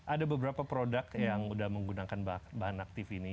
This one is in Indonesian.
ada beberapa produk yang sudah menggunakan bahan aktif ini